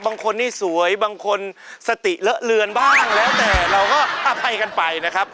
บางคนนี่สวยบางคนสติเลอะเลือนบ้างแล้วแต่เราก็อภัยกันไปนะครับ